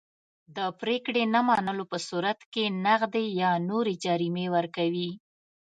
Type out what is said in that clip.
د پرېکړې نه منلو په صورت کې نغدي یا نورې جریمې ورکوي.